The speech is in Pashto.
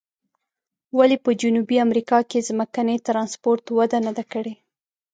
ولې په جنوبي امریکا کې ځمکني ترانسپورت وده نه ده کړې؟